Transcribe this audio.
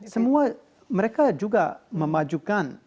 semua mereka juga memajukan